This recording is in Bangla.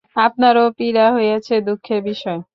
আপনারও পীড়া হইয়াছে, দুঃখের বিষয়।